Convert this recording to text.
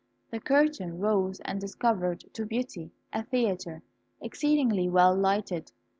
The curtain rose and discovered to Beauty a theatre, exceedingly well lighted.